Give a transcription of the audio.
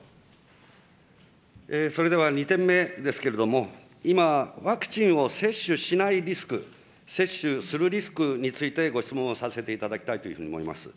それでは２点目ですけれども、今、ワクチンを接種しないリスク、接種するリスクについてご質問をさせていただきたいというふうに思います。